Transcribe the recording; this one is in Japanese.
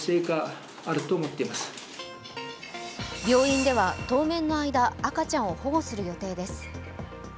病院では、当面の間赤ちゃんを保護する予定です。